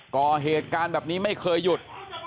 ก่อเหตุการณ์แบบนี้ไม่เคยหยุด